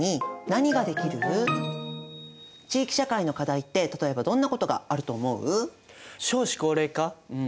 地域社会の課題って例えばどんなことがあると思う？